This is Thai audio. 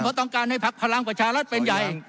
เพราะต้องการให้พักพลังประชารัฐเป็นใหญ่